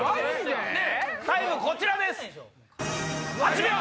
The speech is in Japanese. タイムこちらです。